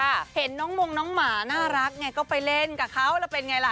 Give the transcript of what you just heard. เห็นน้องมงน้องหมาน่ารักไงก็ไปเล่นกับเขาแล้วเป็นไงล่ะ